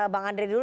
bang andri dulu